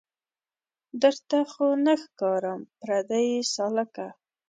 درته خو نه ښکارم پردۍ سالکه